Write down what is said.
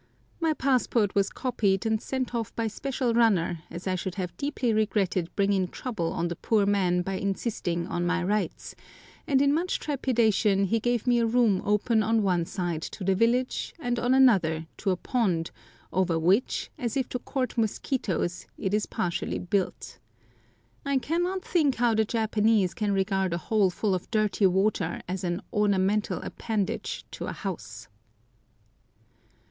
My passport was copied and sent off by special runner, as I should have deeply regretted bringing trouble on the poor man by insisting on my rights, and in much trepidation he gave me a room open on one side to the village, and on another to a pond, over which, as if to court mosquitoes, it is partially built. I cannot think how the Japanese can regard a hole full of dirty water as an ornamental appendage to a house.